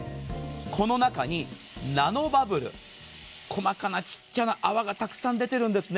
この中にナノバブル細かなちっちゃな泡がたくさん出てるんですね。